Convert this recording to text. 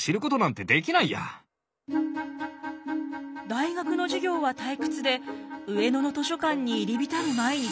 大学の授業は退屈で上野の図書館に入り浸る毎日。